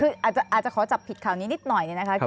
คืออาจจะขอจับผิดข่าวนี้นิดหน่อยเนี่ยนะคะ